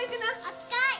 おつかい！